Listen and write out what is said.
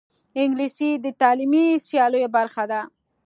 انګلیسي د تعلیمي سیالیو برخه ده